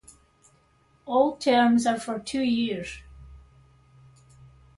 All terms are for two years.